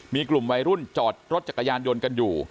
มีกลุ่มวัยรุ่นจอดรถจักรยานยนต์กันอยู่